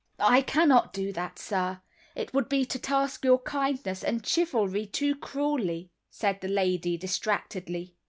"I cannot do that, sir, it would be to task your kindness and chivalry too cruelly," said the lady, distractedly.